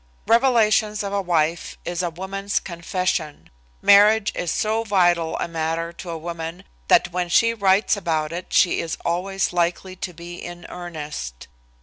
"Revelations of a Wife" is a woman's confession. Marriage is so vital a matter to a woman that when she writes about it she is always likely to be in earnest.